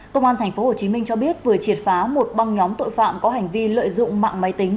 công an tp hcm cho biết vừa triệt phá một băng nhóm tội phạm có hành vi lợi dụng mạng máy tính